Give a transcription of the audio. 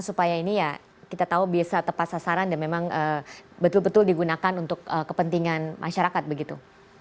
supaya ini ya kita tahu bisa tepat sasaran dan memang betul betul digunakan untuk kepentingan masyarakat begitu